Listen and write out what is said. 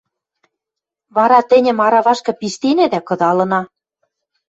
Вара тӹньӹм аравашкы пиштенӓ дӓ кыдалына.